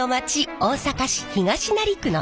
大阪市東成区の住宅街。